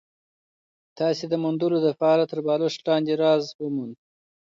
تاسي د موندلو دپاره تر بالښت لاندي راز وموند؟